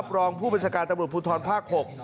รองผู้บัญชาการตำรวจภูทรภาค๖